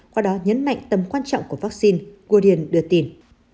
qua đó nhấn mạnh tầm quan trọng của vaccine gudian đưa tin